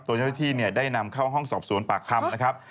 เจ้าหน้าที่ได้นำเข้าห้องสอบสวนปากคำนะครับ